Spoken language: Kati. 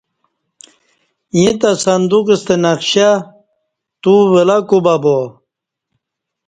ییں تہ صندوق ستہ نقشہ تو ولہ کوبابا